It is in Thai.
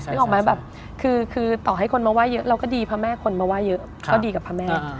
นึกออกไหมแบบคือต่อให้คนมาไห้เยอะเราก็ดีพระแม่คนมาไห้เยอะก็ดีกับพระแม่